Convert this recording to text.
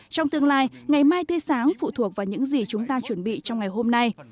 trong tương lai ngày mai tươi sáng phụ thuộc vào những gì chúng ta chuẩn bị trong ngày hôm nay